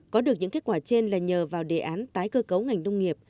có được những kết quả trên là nhờ vào đề án tái cơ cấu ngành nông nghiệp